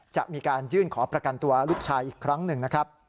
จะมีการยื่นขอประกันตัวลูกชายอีกครั้งหนึ่งนะครับ